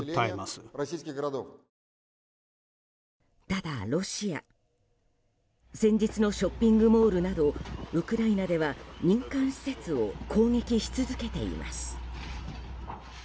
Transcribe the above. ただ、ロシア先日のショッピングモールなどウクライナでは民間施設を攻撃し続けています。